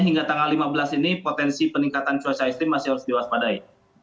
hingga tanggal lima belas ini potensi peningkatan cuaca ekstrim masih harus diwaspadai